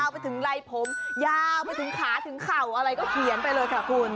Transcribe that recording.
ไปถึงไรผมยาวไปถึงขาถึงเข่าอะไรก็เขียนไปเลยค่ะคุณ